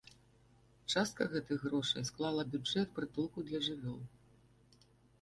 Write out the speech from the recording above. Частка гэтых грошай склала бюджэт прытулку для жывёл.